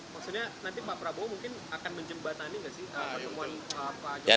maksudnya nanti pak prabowo mungkin akan menjembatani nggak sih pertemuan pak jokowi